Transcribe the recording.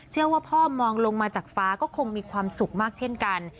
เชื่อว่าพ่อมองลงมาจากฟ้าก็คงมีความสุขมากเช่นกัน